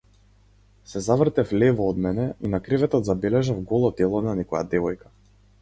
Се завртев лево од мене и на креветот забележав голо тело на некоја девојка.